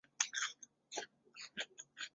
小硬枝藓为平藓科羽枝藓属下的一个种。